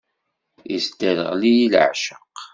Isderɣel-iyi leεceq.